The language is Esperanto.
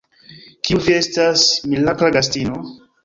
Kiu vi estas, mirakla gastino?